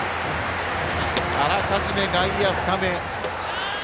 あらかじめ、外野深め。